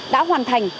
đã hoàn thành